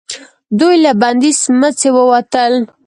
دوئ له بندې سمڅې ووتل.